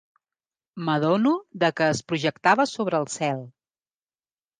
M'adono de que es projectava sobre el cel